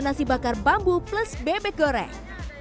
nasi bakar bambu plus bebek goreng